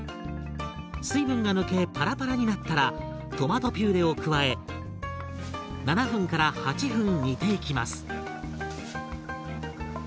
水分が抜けパラパラになったらトマトピューレを加え７分から８分煮ていきます。